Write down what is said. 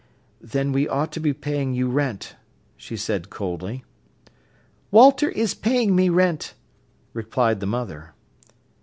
"Then we ought to be paying you rent," she said coldly. "Walter is paying me rent," replied the mother.